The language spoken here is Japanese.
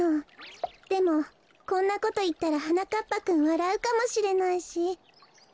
でもこんなこといったらはなかっぱくんわらうかもしれないし。